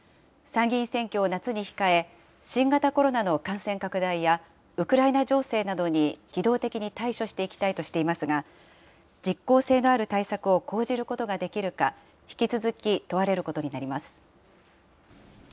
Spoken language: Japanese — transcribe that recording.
参議院選挙を夏に控え、新型コロナの感染拡大や、ウクライナ情勢などに機動的に対処していきたいとしていますが、実効性のある対策を講じることができるか、引き続き問われることになります。